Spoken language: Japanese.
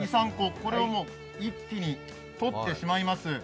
これを一気に取ってしまいます。